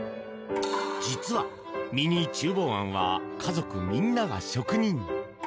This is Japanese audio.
実はミニ厨房庵は家族みんなが職人。